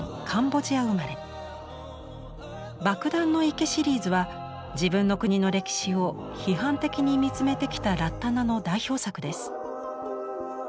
「爆弾の池」シリーズは自分の国の歴史を批判的に見つめてきたラッタナの代表作です。